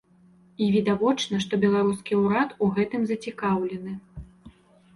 І відавочна, што беларускі ўрад у гэтым зацікаўлены.